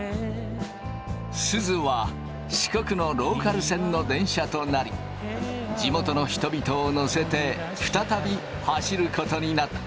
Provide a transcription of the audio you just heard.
すずは四国のローカル線の電車となり地元の人々を乗せて再び走ることになった。